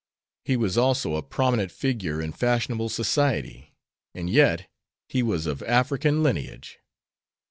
He was also a prominent figure in fashionable society, and yet he was of African lineage.